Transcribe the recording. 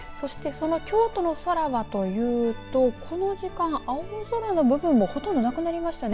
きょうの空はというとこの時間、青空はほとんどなくなりました。